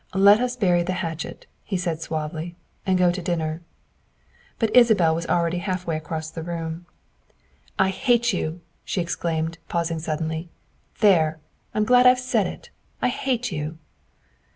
'' Let us bury the hatchet, '' he said suavely, '' and go to dinner." But Isabel was already half way across the room. THE SECRETARY OF STATE 201 " I hate you!" she exclaimed, pausing suddenly; "there! I 'm glad I 've said it. I hate you!"